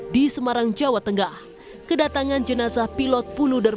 di semarang jawa tengah kedatangan jenazah pilot puluder